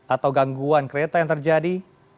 atau gangguan kereta yang terjadi